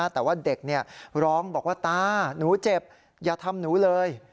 แต่ว่าเด็กร้องบอกว่าตาหนูเจ็บอย่าทำหนูเลย